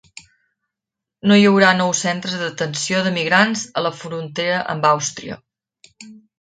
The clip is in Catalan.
No hi haurà nous centres de detenció de migrants a la frontera amb Àustria